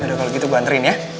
yaudah kalau gitu gue anterin ya